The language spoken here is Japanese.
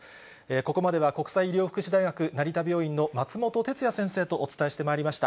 ここまでは国際医療福祉大学成田病院の松本哲哉先生とお伝えしてまいりました。